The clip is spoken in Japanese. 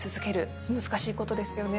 難しいことですよね。